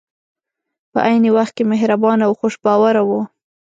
په عین وخت کې مهربان او خوش باوره وو.